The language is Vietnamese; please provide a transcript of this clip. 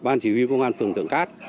ban chỉ huy công an phường tượng cát